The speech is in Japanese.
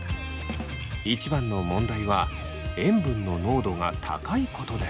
一番の問題は塩分の濃度が高いことです。